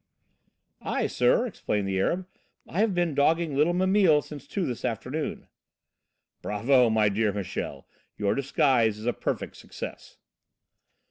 "Ay, sir," explained the Arab. "I have been dogging little Mimile since two this afternoon." "Bravo, my dear Michel, your disguise is a perfect success."